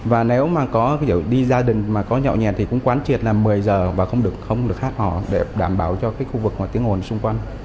và nếu mà có ví dụ đi gia đình mà có nhậu nhẹt thì cũng quán triệt là một mươi giờ và không được hát hò để đảm bảo cho cái khu vực mà tiếng ồn xung quanh